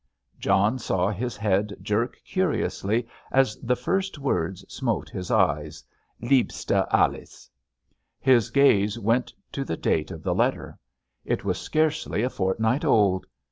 John saw his head jerk curiously as the first words smote his eyes. "Liebste Alice." His gaze went to the date of the letter. It was scarcely a fortnight old!